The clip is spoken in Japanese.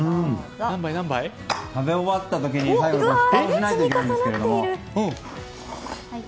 食べ終わった時にふたをしないといけないんですが。